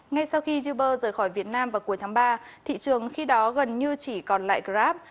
ngay sau khi uber rời khỏi việt nam vào cuối tháng ba thị trường khi đó gần như chỉ còn lại grab